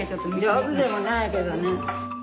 上手でもないけどね。